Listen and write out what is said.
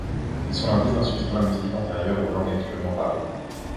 Ils sont l'indice d'un substrat linguistique antérieur aux langues actuellement parlées.